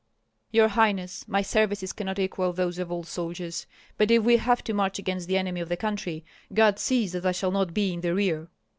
"Your highness, my services cannot equal those of old soldiers; but if we have to march against the enemy of the country, God sees that I shall not be in the rear."